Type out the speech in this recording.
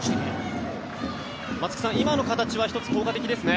松木さん、今の形は１つ効果的ですね。